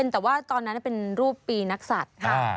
แต่ว่าตอนนั้นเป็นรูปปีนักศัตริย์ค่ะ